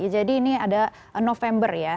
jadi ini ada november ya